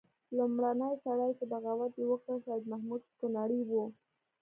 لومړنی سړی چې بغاوت یې وکړ سید محمود کنړی وو.